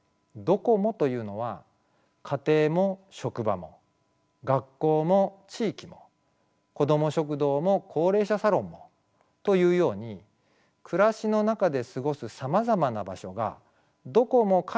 「どこも」というのは家庭も職場も学校も地域もこども食堂も高齢者サロンもというように暮らしの中で過ごすさまざまな場所がどこもかしこも居場所になる状態です。